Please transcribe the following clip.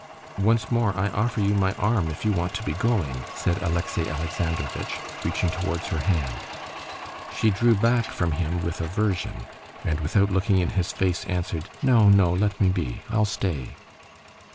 "Once more I offer you my arm if you want to be going," said Alexey Alexandrovitch, reaching towards her hand. She drew back from him with aversion, and without looking in his face answered: "No, no, let me be, I'll stay."